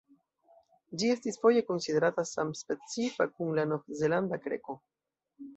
Ĝi estis foje konsiderata samspecifa kun la Novzelanda kreko.